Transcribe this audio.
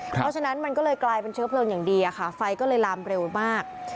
เพราะฉะนั้นมันก็เลยกลายเป็นเชื้อเพลิงอย่างดีอะค่ะไฟก็เลยลามเร็วมาก